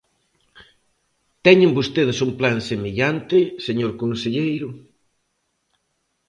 ¿Teñen vostedes un plan semellante, señor conselleiro?